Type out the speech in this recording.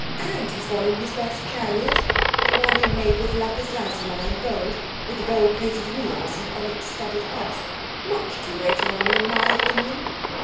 And he's gone in his best chariot, the one inlaid with lapis lazuli and gold, with the gold plated wheels and onyx studded hubs—much too great an honour in my opinion.